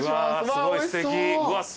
すごいすてき。